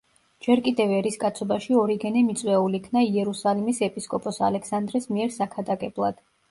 ჯერ კიდევ ერისკაცობაში ორიგენე მიწვეულ იქნა იერუსალიმის ეპისკოპოს ალექსანდრეს მიერ საქადაგებლად.